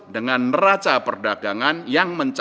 dengan neraca perdagangan yang mencapai